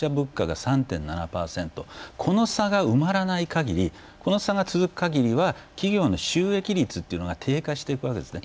この差が埋まらないかぎりこの差が続くかぎりは企業の収益率というのが低下していくわけですね。